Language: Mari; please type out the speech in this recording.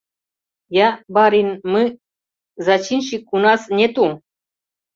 — Я... барин... мы... зачинщик у нас нету...